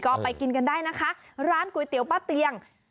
ก็ไปกินกันได้นะคะร้านก๋วยเตี๋ยวป้าเตียง